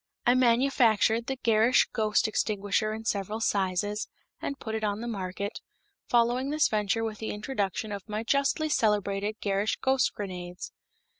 I manufactured the Gerrish Ghost Extinguisher in several sizes, and put it on the market, following this venture with the introduction of my justly celebrated Gerrish Ghost Grenades.